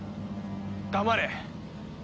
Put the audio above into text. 黙れ！